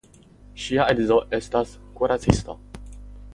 Ŝia edzo estas kuracisto.